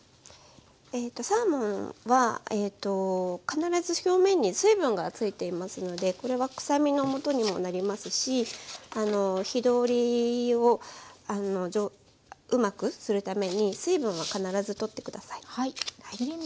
サーモンは必ず表面に水分がついていますのでこれは臭みのもとにもなりますし火通りをうまくするために水分は必ず取って下さい。